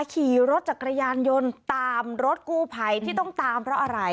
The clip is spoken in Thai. ขี่รถจักรยานยนต์ตามรถกู้ภัยที่ต้องตามเพราะอะไร